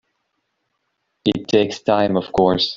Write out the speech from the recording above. It takes time of course.